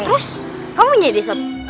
terus kamu nyedih soba